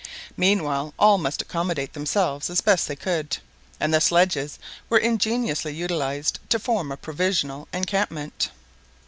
Meanwhile all must accommodate themselves as best they could; and the sledges were ingeniously utilised to form a provisional encampment.